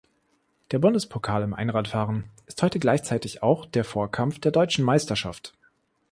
Der Bundespokal im Einradfahren ist heute gleichzeitig auch der Vorkampf der Deutschen Meisterschaft.